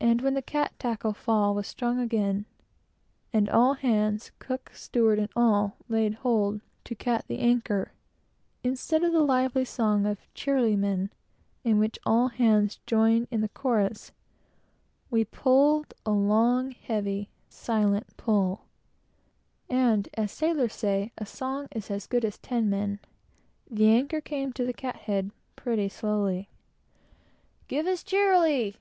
And when the cat tackle fall was strung along, and all hands cook, steward, and all laid hold, to cat the anchor, instead of the lively song of "Cheerily, men!" in which all hands join in the chorus, we pulled a long, heavy, silent pull, and as sailors say a song is as good as ten men the anchor came to the cat head pretty slowly. "Give us 'Cheerily!'"